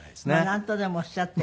なんとでもおっしゃって。